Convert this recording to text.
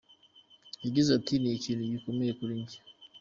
Yagize ati “Ni ikintu gikomeye kuri njye.